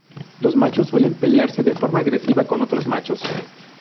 Los machos suelen pelearse de forma agresiva con otros machos.